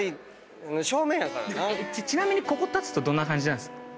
ちなみにここ立つとどんな感じなんです？